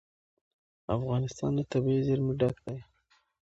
افغانستان له طبیعي زیرمې ډک دی.